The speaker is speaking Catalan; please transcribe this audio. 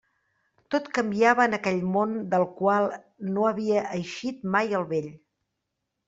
Tot canviava en aquell món del qual no havia eixit mai el vell.